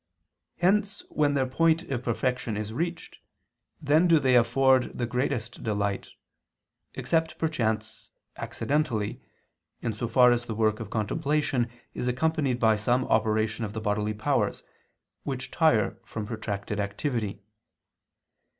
Hence when their point of perfection is reached, then do they afford the greatest delight: except, perchance, accidentally, in so far as the work of contemplation is accompanied by some operation of the bodily powers, which tire from protracted activity.